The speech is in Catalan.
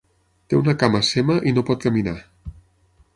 Té una cama sema i no pot caminar.